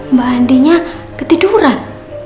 mbak andinnya ketiduran